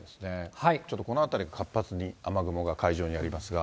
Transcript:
ちょっとこの辺り活発に雨雲が海上にありますが。